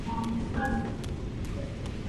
随后当地百姓自立冶县。